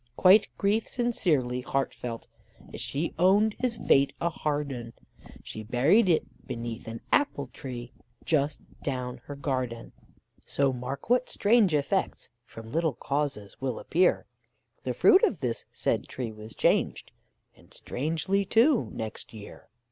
Quite grief sincerely heart felt as she owned his fate a hard'un, She buried it beneath an apple tree just down her garden. So mark what strange effects from little causes will appear, The fruit of this said tree was changed, and strangely, too, next year.